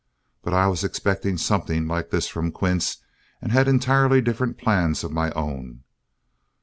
But I was expecting something like this from Quince, and had entirely different plans of my own.